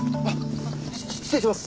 失礼します。